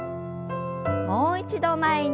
もう一度前に。